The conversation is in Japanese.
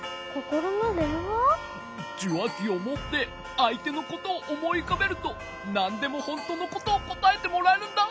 じゅわきをもってあいてのことをおもいうかべるとなんでもほんとのことをこたえてもらえるんだ。